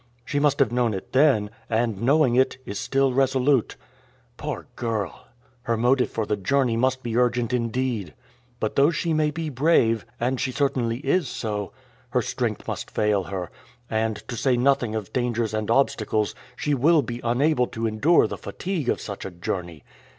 She must have known it then, and knowing it, is still resolute. Poor girl! Her motive for the journey must be urgent indeed! But though she may be brave and she certainly is so her strength must fail her, and, to say nothing of dangers and obstacles, she will be unable to endure the fatigue of such a journey.